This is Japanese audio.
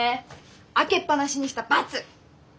開けっ放しにした罰！